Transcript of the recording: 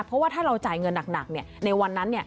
เพราะว่าถ้าเราจ่ายเงินหนักเนี่ยในวันนั้นเนี่ย